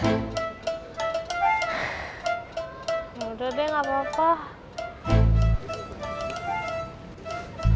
udah deh gak apa apa